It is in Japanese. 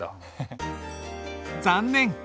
残念！